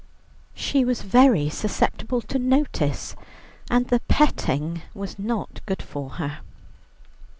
She was very susceptible to notice, and the petting was not good for her.